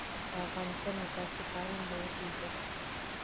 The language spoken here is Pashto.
د افغانستان اساسي قانون به وپېژنو.